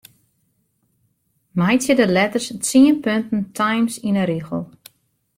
Meitsje de letters tsien punten Times yn 'e rigel.